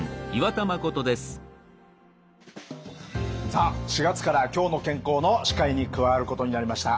さあ４月から「きょうの健康」の司会に加わることになりました